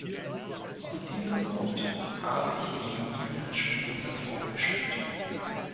Aus diesem Grund habe ich gegen diesen Entschließungsentwurf gestimmt.